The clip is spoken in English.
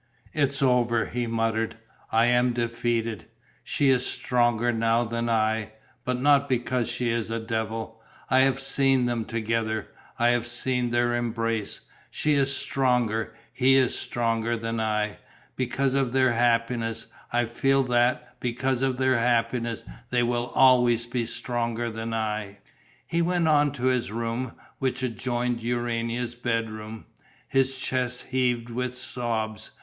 "It's over," he muttered. "I am defeated. She is stronger now than I, but not because she is a devil. I have seen them together. I have seen their embrace. She is stronger, he is stronger than I ... because of their happiness. I feel that, because of their happiness, they will always be stronger than I...." He went to his room, which adjoined Urania's bedroom. His chest heaved with sobs.